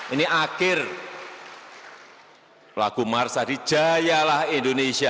ini akhir lagu mars tadi jayalah indonesia